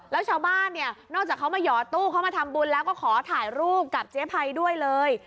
แล้วชาวบ้านเนี่ยนอกจากเขามาหยอดตู้เขามาทำบุญแล้วก็ขอถ่ายรูปกับเจ๊ภัยด้วยเลย